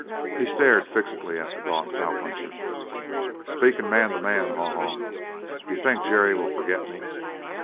He stared fixedly at the gaunt cowpuncher. "Speakin' man to man, Haw Haw, d'you think Jerry will forget me?"